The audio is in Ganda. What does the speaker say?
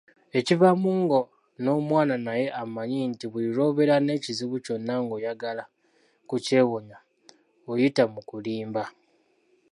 Ekivaamu nga n'omwana naye amanya nti buli lwobeera n'ekizibu kyonna ng'oyagala kukyewonya oyita mu kulimba